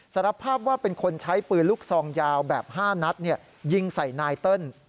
สารภาพว่าเป็นคนใช้ปืนลูกซองยาวแบบ๕นัดยิงใส่นายเติ้ล